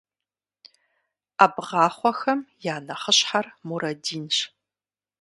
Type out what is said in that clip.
Ӏэбгъахъуэхэм я нэхъыщхьэр Мурадинщ.